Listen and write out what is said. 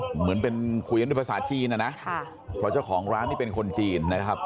เหมือนเป็นคุยกันด้วยภาษาจีนนะนะเพราะเจ้าของร้านนี่เป็นคนจีนนะครับ